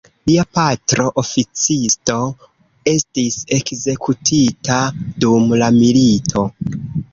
Lia patro oficisto estis ekzekutita dum la milito.